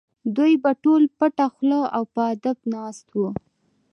دوی به ټول پټه خوله او په ادب ناست وو.